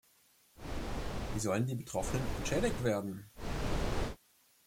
Wie sollen die Betroffenen entschädigt werden?